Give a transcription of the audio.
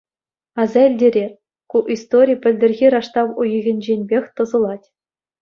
Аса илтерер, ку истори пӗлтӗрхи раштав уйӑхӗнченпех тӑсӑлать.